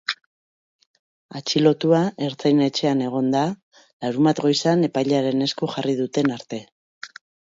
Atxilotua ertzain-etxean egon da, larunbat goizean epailearen esku jarri duten arte.